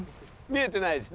見えてないです。